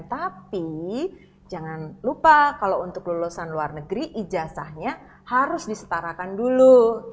tapi jangan lupa kalau untuk lulusan luar negeri ijazahnya harus disetarakan dulu